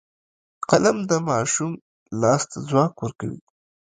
قلم د ماشوم لاس ته ځواک ورکوي